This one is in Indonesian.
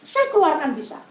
saya keluarkan bisa